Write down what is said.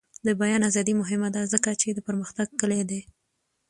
د بیان ازادي مهمه ده ځکه چې د پرمختګ کلي ده.